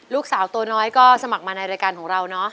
ลูกสาวตัวน้อยก็สมัครมาในรายการของเราเนาะ